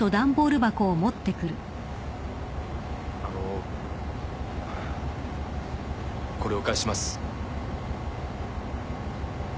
あのこれお返しします